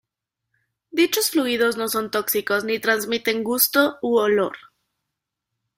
Dichos fluidos no son tóxicos ni transmiten gusto u olor.